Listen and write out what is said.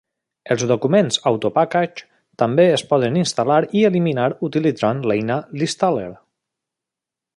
Els documents Autopackage també es poden instal·lar i eliminar utilitzant l'eina Listaller.